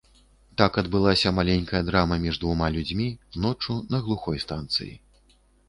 Так адбылася маленькая драма між двума людзьмі, ноччу на глухой станцыі.